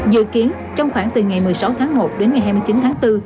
dự kiến trong khoảng từ ngày một mươi sáu tháng một đến ngày hai mươi chín tháng bốn